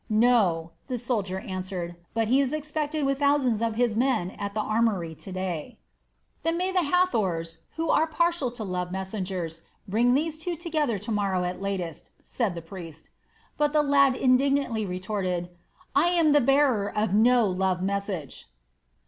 "No," the soldier answered, "but he is expected with thousands of his men at the armory to day." "Then may the Hathors, who are partial to love messengers, bring these two together to morrow at latest," said the priest. But the lad indignantly retorted: "I am the bearer of no love message."